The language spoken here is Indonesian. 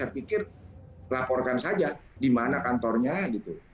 kalau ada anggota pki saya pikir laporkan saja di mana kantornya gitu